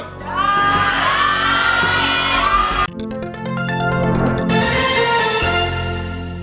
ใช่